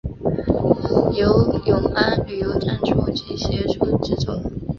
由永安旅游赞助及协助制作。